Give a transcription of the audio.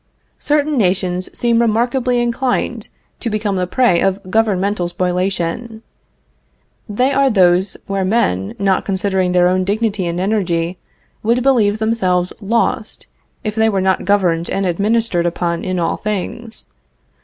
Certain nations seem remarkably inclined to become the prey of governmental spoliation. They are those where men, not considering their own dignity and energy, would believe themselves lost, if they were not governed and administered upon in all things.